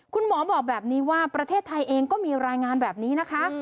คุณหมอบอกแบบนี้ว่าประเทศไทยเองก็มีรายงานแบบนี้นะคะ